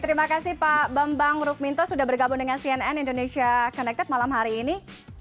terima kasih pak bambang rukminto sudah bergabung dengan cnn indonesia connected malam hari ini